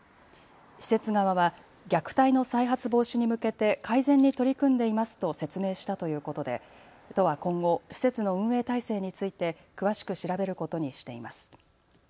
施設側は虐待の再発防止に向けて改善に取り組んでいますと説明したということで都は今後、施設の運営体制について詳しく調べることにしています。